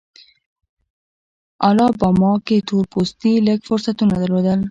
الاباما کې تور پوستي لږ فرصتونه درلودل.